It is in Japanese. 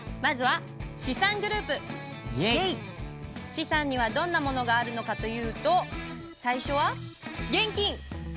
資産にはどんなものがあるのかというと最初は現金。